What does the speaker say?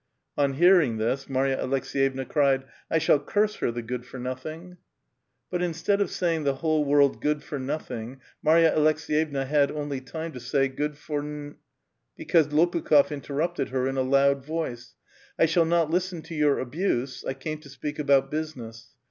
On hearing this, Marya Aleks^yevna cried, "I shall curse her, the good for nothing !" But, instead of saying the whole word " good for noth ing," Marya Aleks^yevna had only time to say *'good for n —," because Lopukh6f internipted her, in a loud voice : ^"1 shall not listen to your abuse ; I came to spenk about busi ness.